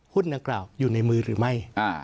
นางกล่าวอยู่ในมือหรือไม่